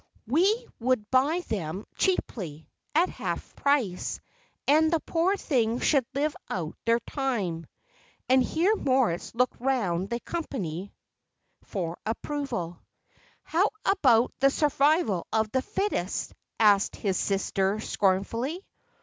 We would buy them cheaply, at half price, and the poor things should live out their time." And here Moritz looked round the company for approval. "How about the survival of the fittest?" asked his sister, scornfully.